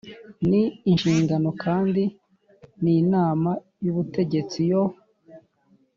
Ni inshingano kandi y inama y ubutegetsi yo